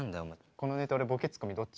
このネタ俺ボケツッコミどっち？